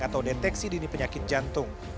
atau deteksi dini penyakit jantung